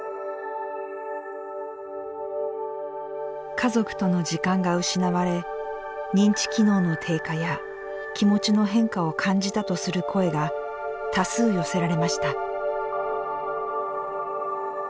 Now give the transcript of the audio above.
家族との時間が失われ認知機能の低下や気持ちの変化を感じたとする声が多数寄せられました。